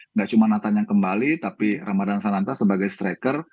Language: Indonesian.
nggak cuma nathan yang kembali tapi ramadan sananta sebagai striker